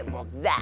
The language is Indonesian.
kalo kita di padat